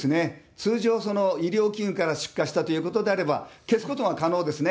通常、医療器具から出火したということであれば、消すことが可能ですね。